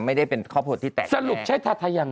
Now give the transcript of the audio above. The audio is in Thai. มันเป็นสิ่งที่แบบถ้าเราดูแล้วแบบปากปื้มอยู่แล้ว